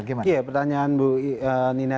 gimana iya pertanyaan bu nina